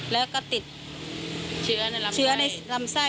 แล้วก็ติดเชื้อในรำไทย